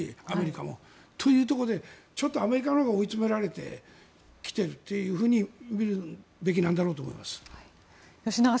アメリカもというところでちょっとアメリカのほうが追い詰められてきていると見るべきなんだろうと思います。